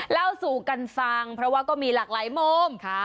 เล่าสู่กันฟังเพราะว่าก็มีหลากหลายมุม